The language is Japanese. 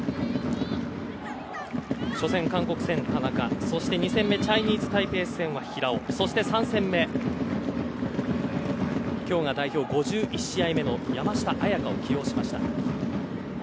初戦、韓国は田中２戦目のチャイニーズタイペイ戦は平尾３戦目、今日が代表５１試合目の山下杏也加を起用しました。